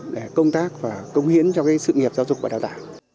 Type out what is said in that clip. để công tác và công hiến cho sự nghiệp giáo dục và đào tạo